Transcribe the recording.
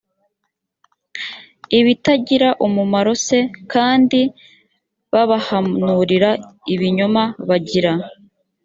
ibitagira umumaro s kandi babahanurira ibinyoma bagira